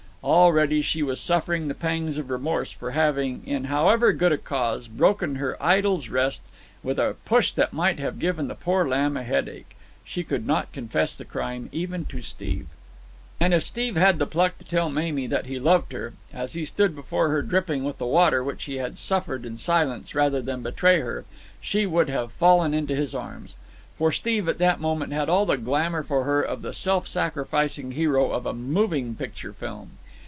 Already she was suffering the pangs of remorse for having, in however good a cause, broken her idol's rest with a push that might have given the poor lamb a headache. She could not confess the crime even to Steve. And if Steve had had the pluck to tell Mamie that he loved her, as he stood before her dripping with the water which he had suffered in silence rather than betray her, she would have fallen into his arms. For Steve at that moment had all the glamour for her of the self sacrificing hero of a moving picture film.